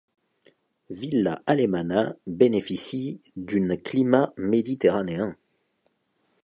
Villa Alemana bénéficie d'une climat méditerranéen.